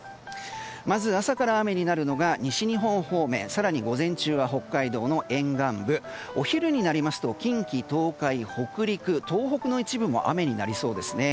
まず朝から雨になるのが西日本方面更に午前中は北海道の沿岸部お昼になりますと近畿・東海、北陸の一部も雨になりそうですね。